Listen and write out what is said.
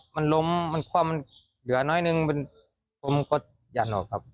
มันล้มมันความเหลือน้อยนึงมันกดหยั่นออกครับ